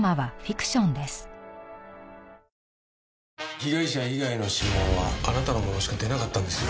被害者以外の指紋はあなたのものしか出なかったんですよ。